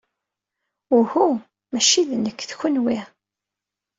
Uhu, maci d nekk, d kenwi!